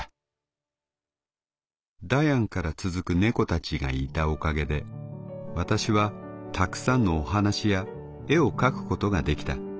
ダヤンから続く猫たちがいたおかげで私はたくさんのお話や絵を描くことができた。